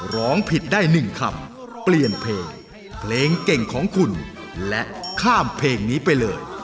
ร้องผิดได้๑คำเปลี่ยนเพลงเพลงเก่งของคุณและข้ามเพลงนี้ไปเลย